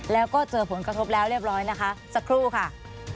แล้วก็เจอผลกระทบแล้วเรียบร้อยนะคะสักครู่ค่ะ